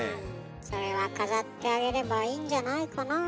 それは飾ってあげればいいんじゃないかなあ。